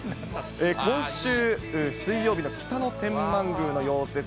今週水曜日の北野天満宮の様子です。